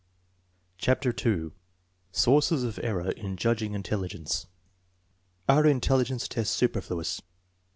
CHAPTER II SOURCES OF ERROR IN JUDGING INTELLIGENCE Are intelligence tests superfluous?